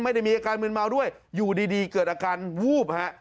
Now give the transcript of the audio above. ไม่ได้มีอาการมืนเมาด้วยอยู่ดีเกิดอาการวูบฮะ